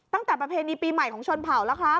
ตั้งแต่ประเภณีปีใหม่ของชนเผ่าแล้วครับ